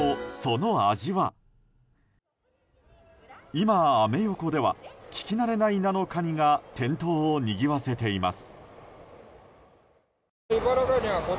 今、アメ横では聞き慣れない名のカニが店頭をにぎわせています。